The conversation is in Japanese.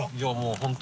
△本当。